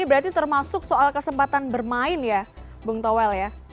ini berarti termasuk soal kesempatan bermain ya bung tawel